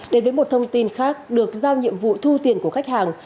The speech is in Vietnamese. đến với một thông tin khác được giao nhiệm vụ thu tiền của khách hàng